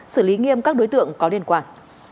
xử lý nghiêm các đối tượng có liên quan